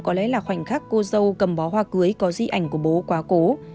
có lẽ là khoảnh khắc cô dâu cầm bó hoa cưới có di ảnh của bố quá cố